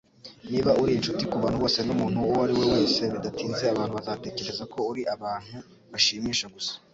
Niba uri inshuti kubantu bose numuntu uwo ari we wese, bidatinze abantu bazatekereza ko uri abantu-bashimisha gusa.